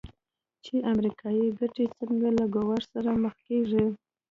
چې امریکایي ګټې څنګه له ګواښ سره مخ کېږي.